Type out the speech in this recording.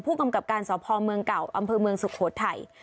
กำกับการสพเมืองเก่าอำเภอเมืองสุโขทัย